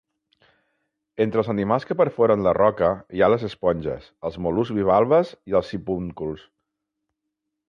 Entre els animals que perforen la roca hi ha les esponges, els mol·luscs bivalves i els sipúnculs.